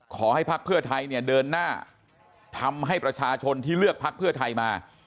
ขอให้พักเพื่อไทยเดินหน้าทำให้ประชาชนที่เลือกพักเพื่อไทยมา